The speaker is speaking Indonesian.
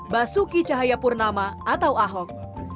basuki cahayapurnama atau ahok